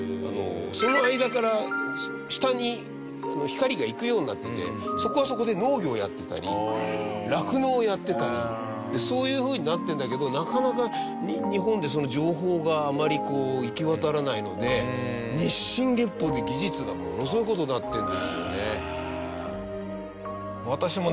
その間から下に光がいくようになっててそこはそこで農業をやってたり酪農をやってたりそういうふうになってるんだけどなかなか日本でその情報があまりこう行き渡らないので日進月歩で技術がものすごい事になってるんですよね。